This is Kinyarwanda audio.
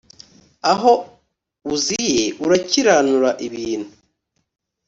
aho uziye urakiranura ibintu.